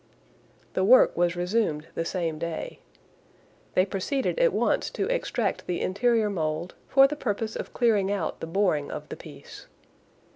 The work was resumed the same day. They proceeded at once to extract the interior mould, for the purpose of clearing out the boring of the piece.